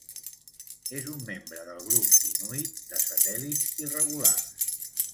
És un membre del grup Inuit de satèl·lits irregulars.